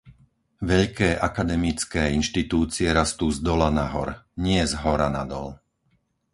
Veľké akademické inštitúcie rastú zdola nahor, nie zhora nadol.